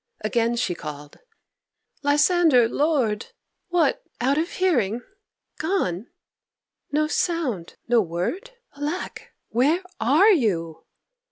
Again she called: "Lysander, lord! What, out of hearing? Gone? No sound, no word! Alack, where are you?